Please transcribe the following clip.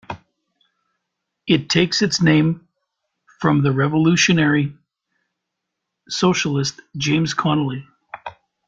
It takes its name from the revolutionary socialist James Connolly.